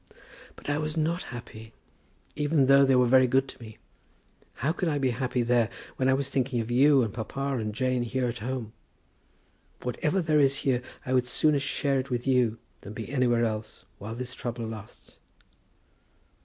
"But I was not happy; even though they were very good to me. How could I be happy there when I was thinking of you and papa and Jane here at home? Whatever there is here, I would sooner share it with you than be anywhere else, while this trouble lasts."